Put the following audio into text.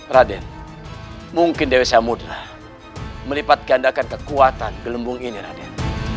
raden mungkin dewi samudera melipatkan kekuatan gelembung ini raden